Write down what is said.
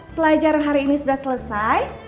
pelajaran hari ini sudah selesai